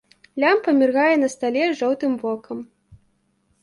Лямпа міргае на стале жоўтым вокам.